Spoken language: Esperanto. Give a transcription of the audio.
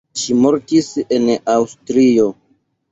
Ŝi mortis en Aŭstrio.